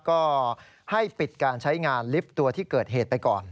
ก็ให้ปิดการใช้งานลิฟต์ตัวที่เกิดเหตุไปก่อน